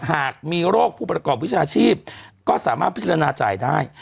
หากมีโรคผู้ประกอบวิชาชีพก็สามารถพิจารณาจ่ายได้